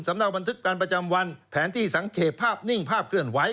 เนาบันทึกการประจำวันแผนที่สังเกตภาพนิ่งภาพเคลื่อนไหว